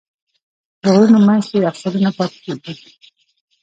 د غرونو منځ کې یخچالونه پاتې کېږي.